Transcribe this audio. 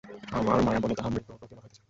আমার মায়াবলেই তাহারা মৃত প্রতীয়মান হইতেছে।